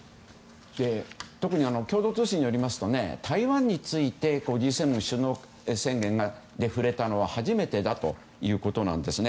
特に共同通信によりますと台湾についてＧ７首脳宣言で触れたのは初めてだということなんですね。